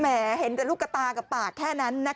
แหมเห็นแต่ลูกกะตากะปากแค่นั้น